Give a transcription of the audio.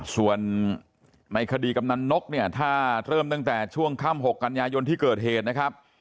ส่วนในคดีกำนันนกเนี่ยถ้าเริ่มตั้งแต่ช่วงค่ำ๖กันยายนที่เกิดเหตุนะครับ